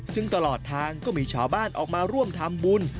ซึ่งตลอดทางก็มีชาวบ้านออกมาร่วมทำบุญ